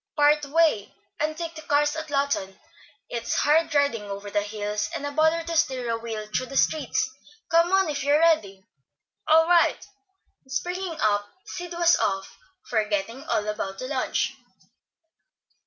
"Part way, and take the cars at Lawton. It's hard riding over the hills, and a bother to steer a wheel through the streets. Come on, if you're ready." "All right;" and springing up, Sid was off, forgetting all about the lunch.